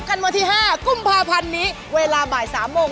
พบกันวันที่๕กุมภาพันธ์นี้เวลา๑๓๐๐น